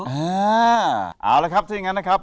อ่าเอาละครับทีนี้งั้นนะครับ